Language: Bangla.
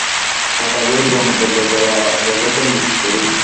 পাতাগুলোর রঙ বদলে যাওয়া দেখাকে মিস করি।